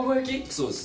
そうです。